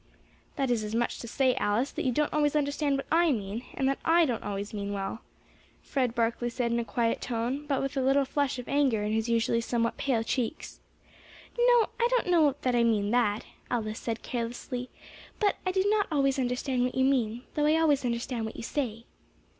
"That is as much as to say, Alice, that you don't always understand what I mean, and that I don't always mean well," Fred Barkley said in a quiet tone, but with a little flush of anger in his usually somewhat pale cheeks. "No, I don't know that I mean that," Alice said carelessly; "but I do not always understand what you mean, though I always understand what you say."